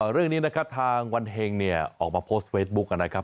เรื่องนี้นะครับทางวันเฮงเนี่ยออกมาโพสต์เฟซบุ๊คนะครับ